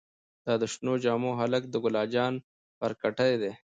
دا د شنو جامو هلک د ګلا جان پارکټې دې.